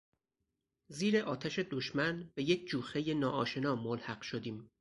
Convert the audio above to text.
زیر آتش دشمن به یک جوخهی ناآشنا ملحق شدیم.